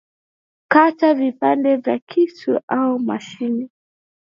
kata vipande kwa kisu au mashine